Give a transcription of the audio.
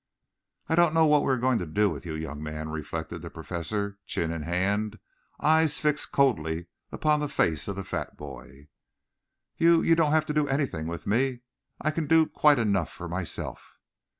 "I don't know what we are going to do with you, young man," reflected the Professor, chin in hand, eyes fixed coldly upon the face of the fat boy. "You you don't have to do anything with me. I can do quite enough for myself."